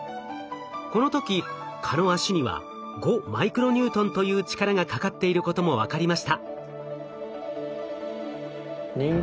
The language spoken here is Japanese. この時蚊の脚には５マイクロニュートンという力がかかっていることも分かりました。